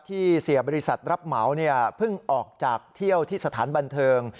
ที่เสียบริษัทรับเหมาเพิ่งออกจากเที่ยวที่สถานบันเทิง